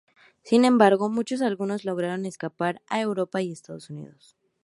Sin embargo, muchos algunos lograron escapar a Europa y a Estados Unidos.